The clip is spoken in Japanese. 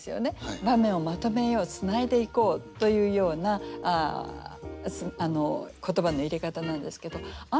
場面をまとめようつないでいこうというような言葉の入れ方なんですけどあ